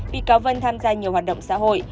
bị cáo vân tham gia nhiều hoạt động xã hội